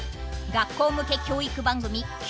学校向け教育番組９０